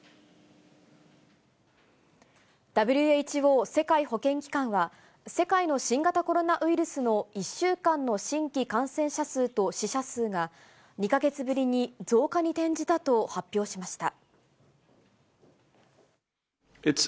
ＷＨＯ・世界保健機関は、世界の新型コロナウイルスの１週間の新規感染者数と死者数が、２か月ぶりに増加に転じたと発表しました。